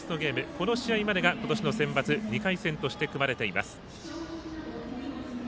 この試合までが今年のセンバツ２回戦として組まれています。